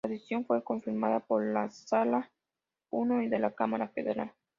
La decisión fue confirmada por la Sala I de la Cámara Federal.